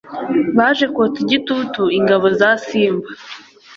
baje kotsa igitutu ingabo za Simba,